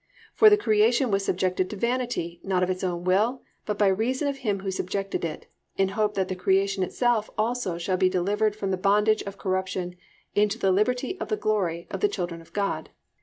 For the creation was subjected to vanity, not of its own will, but by reason of him who subjected it, in hope that the creation itself also shall be delivered from the bondage of corruption into the liberty of the glory of the children of God."